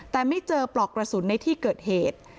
แต่ไม่เจอปลอกกระสุนในที่เกิดเหตุ